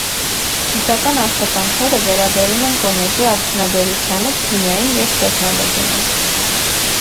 Գիտական աշխատանքները վերաբերում են կոնյակի արդյունաբերությանը, քիմիային և տեխնոլոգիային։